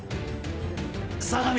相模！